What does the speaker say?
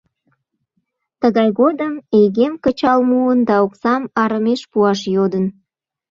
Тыгай годым Эйгем кычал муын да оксам арымеш пуаш йодын.